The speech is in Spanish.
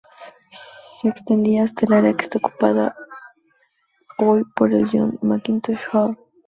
Se extendía hasta el área que está ocupada hoy por el John Mackintosh Hall.